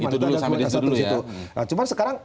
itu dulu sampai di situ dulu ya